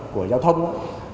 của giao thông á